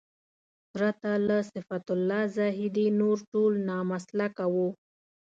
پرته له صفت الله زاهدي نور ټول نامسلکه وو.